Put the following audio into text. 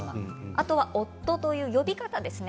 あとは夫という呼び方ですね。